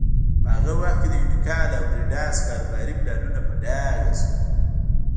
په هغه وخت کې د یونیکال او بریډاس کاروباري پلانونه په ډاګه شول.